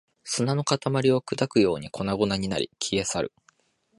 砂の塊を砕くように粉々になり、消え去る